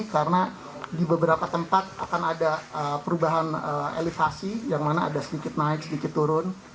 karena di beberapa tempat akan ada perubahan elevasi yang mana ada sedikit naik sedikit turun